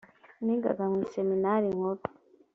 nigaga mu iseminari nkuru